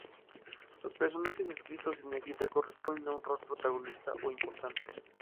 Los personajes escritos en negrita corresponden a un rol protagonista o importante.